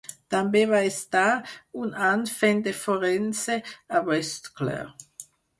També va estar un any fent de forense a West Clare.